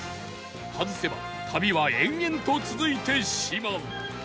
外せば旅は延々と続いてしまう